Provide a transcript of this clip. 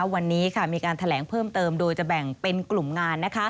วันนี้มีการแถลงเพิ่มเติมโดยจะแบ่งเป็นกลุ่มงาน